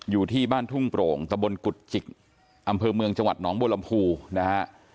อยู่ที่บ้านทุ่งโปร่งตะบนกุฎจิกอำเภอเมืองจังหวัดหนองบัวลำพูนะฮะ